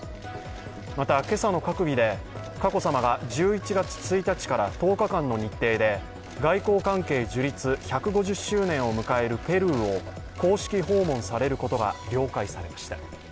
また、今朝の閣議で佳子さまが１１月１日から１０日間の日程で外交関係樹立１５０周年を迎えるペルーを公式訪問されることが了解されました。